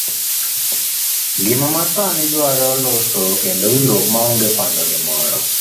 Ngima ma sani dwaro loso kendo winjruok maonge pando gimoro.